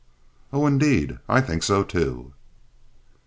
"Oh, indeed, I think so, too."